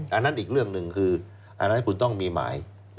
อันนั้นอีกเรื่องหนึ่งคืออันนั้นคุณต้องมีหมาย